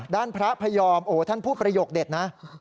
ด้านพระพยอมโอ้ท่านพูดประโยคเด็ดนะ